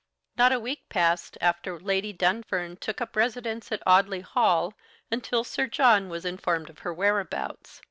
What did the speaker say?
Not a week passed after Lady Dunfern took up residence at Audley Hall until Sir John was informed of her whereabouts.